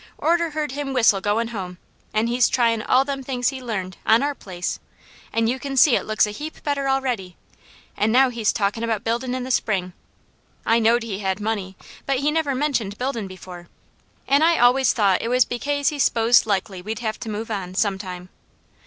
Orter heard him whistle goin' home, an' he's tryin' all them things he learned, on our place, an' you can see it looks a heap better a'ready, an' now he's talkin' about buildin' in the spring. I knowed he had money, but he never mentioned buildin' before, an' I always thought it was bekase he 'sposed likely we'd have to move on, some time.